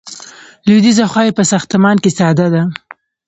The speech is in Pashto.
لویدیځه خوا یې په ساختمان کې ساده ده.